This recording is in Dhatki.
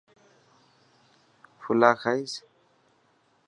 ڦلا کائيس.